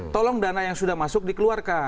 tolong dana yang sudah masuk dikeluarkan